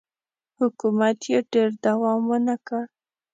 حکومت یې ډېر دوام ونه کړ.